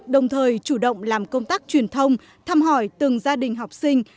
đồng thời chủ động làm công tác truyền thông thăm hỏi từng gia đình học sinh